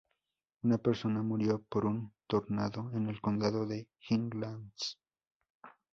Una persona murió por un tornado en el Condado de Highlands, Fl.